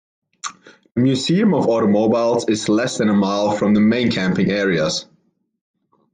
The Museum of Automobiles is less than a mile from the main camping areas.